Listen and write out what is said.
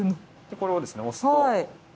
これをですね押すと。